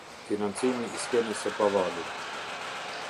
Financimi i skenës së pavarur.